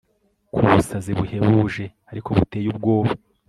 kubusazi buhebuje ariko buteye ubwoba